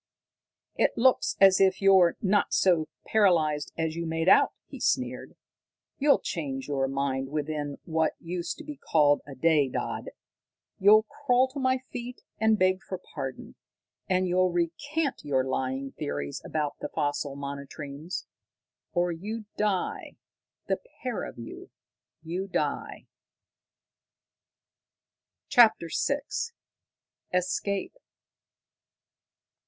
"It looks as if you're not so paralysed as you made out," he sneered. "You'll change your mind within what used to be called a day, Dodd. You'll crawl to my feet and beg for pardon. And you'll recant your lying theories about the fossil monotremes, or you die the pair of you you die!" CHAPTER VI _Escape!